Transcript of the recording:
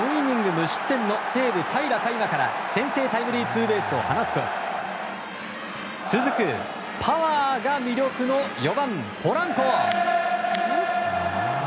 無失点の西武、平良海馬から先制タイムリーツーベースを放つと続くパワーが魅力の４番、ポランコ。